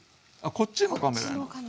こっちのカメラに。